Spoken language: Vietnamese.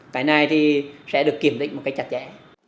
cái này thì sẽ được kiểm định một cách chặt chẽ